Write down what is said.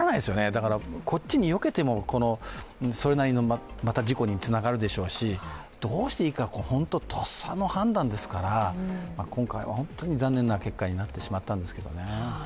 だから、こっちによけても、それなりの事故につながるでしょうしどうしていいか、本当にとっさの判断ですから、今回は本当に残念な結果になってしまったんですけど。